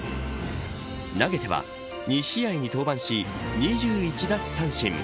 投げては、２試合に登板し２１奪三振。